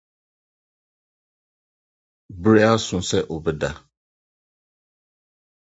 Bere aso sɛ wobɛda